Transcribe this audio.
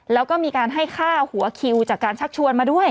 แล้วก็มีการให้ฆ่าหัวคิวจากการชักชวนมาด้วย